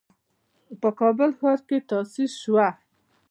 په کابل ښار کې تأسيس شوه.